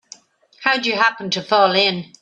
How'd you happen to fall in?